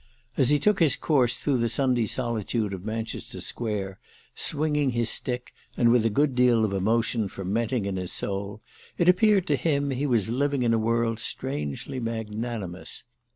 As he took his course through the Sunday solitude of Manchester Square, swinging his stick and with a good deal of emotion fermenting in his soul, it appeared to him he was living in a world strangely magnanimous.